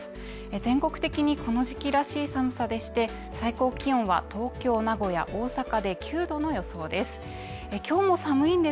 全国的にこの時期らしい寒さでして最高気温は東京、名古屋、大阪で９度の予想です